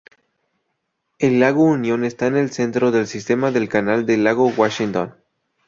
El lago Union está en el centro del sistema del Canal del lago Washington.